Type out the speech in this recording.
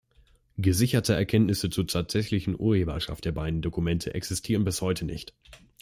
Gesicherte Erkenntnisse zur tatsächlichen Urheberschaft der beiden Dokumente existieren bis heute nicht.